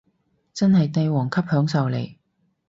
真係帝王級享受嚟